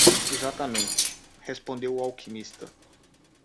"Exatamente?" respondeu o alquimista.